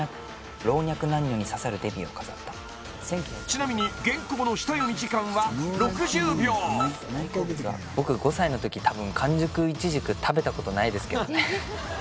ちなみに原稿の下読み時間は６０秒僕５歳の時多分完熟いちじく食べたことないですけどね